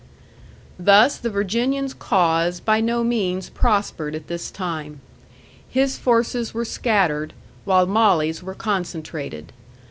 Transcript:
Thus the Virginian's cause by no means prospered at this time. His forces were scattered, while Molly's were concentrated.